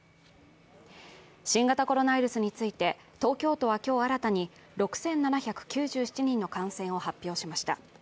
新型コロナウイルスについて東京都は今日新たに６７９７人の感染を発表しました。